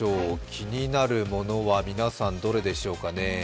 気になるものは皆さん、どれでしょうかね。